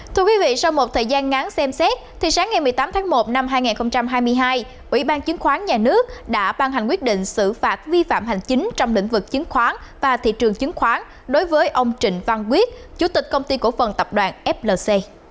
thưa quý vị sau một thời gian ngắn xem xét thì sáng ngày một mươi tám tháng một năm hai nghìn hai mươi hai ủy ban chứng khoán nhà nước đã ban hành quyết định xử phạt vi phạm hành chính trong lĩnh vực chứng khoán và thị trường chứng khoán đối với ông trịnh văn quyết chủ tịch công ty cổ phần tập đoàn flc